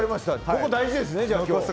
ここ大事ですね！